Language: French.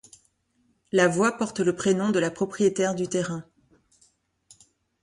La voie porte le prénom de la propriétaire du terrain.